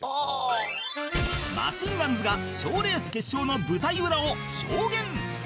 マシンガンズが賞レース決勝の舞台裏を証言